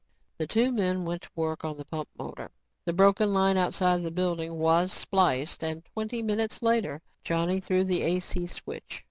The two men went to work on the pump motor. The broken line outside the building was spliced and twenty minutes later, Johnny threw the AC switch.